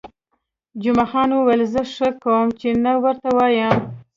جمعه خان وویل: زه ښه کوم، چې نه ورته وایم.